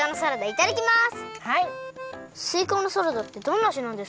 いただきます。